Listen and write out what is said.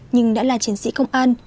nhưng đã là chiến sĩ công an